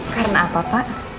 karena apa pak